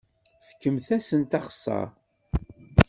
Fkemt-asen axeṣṣar!